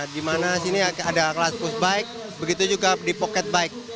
di mana sini ada kelas pushbike begitu juga di pocket bike